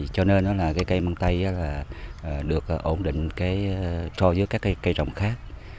cho nên cây măng tây được ổn định so với các cây trồng khác